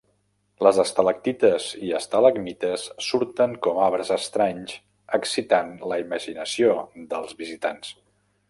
Les estalactites i estalagmites surten com arbres estranys, excitant la imaginació dels visitants.